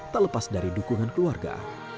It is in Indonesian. tak lepas dari dukungan keluarga